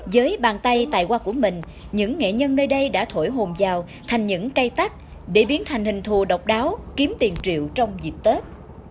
với bàn tay tài hoa của mình những nghệ nhân nơi đây đã thổi hồn vào thành những cây tắt để biến thành hình thùa độc đáo kiếm tiền triệu trong dịp tết